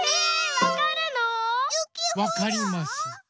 わかります。